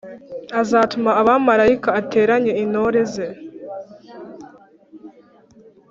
Azatuma abamarayika ateranye intore ze